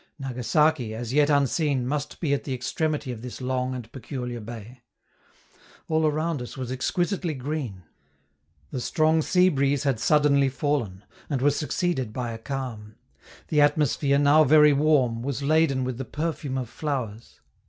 Nagasaki, as yet unseen, must be at the extremity of this long and peculiar bay. All around us was exquisitely green. The strong sea breeze had suddenly fallen, and was succeeded by a calm; the atmosphere, now very warm, was laden with the perfume of flowers.